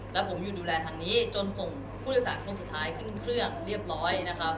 แล้วผมอยู่ดูแลทางนี้จนส่งผู้โดยสารคนสุดท้ายขึ้นเครื่องเรียบร้อยนะครับ